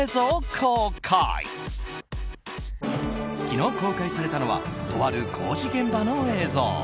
昨日、公開されたのはとある工事現場の映像。